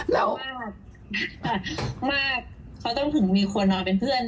มากมากเขาต้องถึงมีคนนอนเป็นเพื่อน